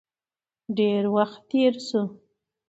ډیر وخت تیر شو.